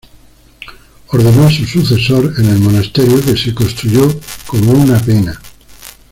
Ordenó a su sucesor en el monasterio que se construyó como una pena.